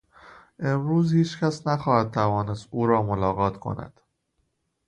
امروز هیچ کس نخواهد توانست او را ملاقات کند.